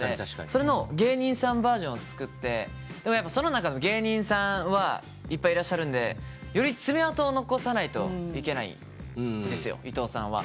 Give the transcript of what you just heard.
それの芸人さんバージョンを作ってでもやっぱその中の芸人さんはいっぱいいらっしゃるんでより爪痕を残さないといけないんですよ伊藤さんは。